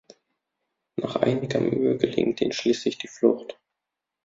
Nach einiger Mühe gelingt ihnen schließlich die Flucht.